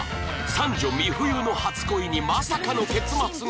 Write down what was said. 三女美冬の初恋にまさかの結末が